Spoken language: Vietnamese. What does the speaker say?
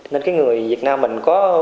nên cái người việt nam mình có